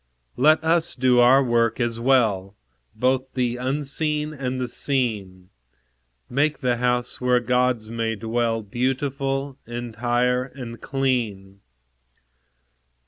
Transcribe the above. Let us do our work as well, Both the unseen and the seen; Make the house, where Gods may dwell, Beautiful, entire, and clean.